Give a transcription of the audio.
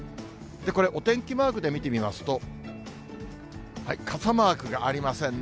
これ、お天気マークで見てみますと、傘マークがありませんね。